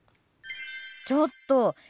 ちょっと！